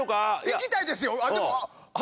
行きたいですよでも。